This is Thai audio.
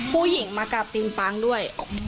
ผู้หญิงมากราบติงปังด้วย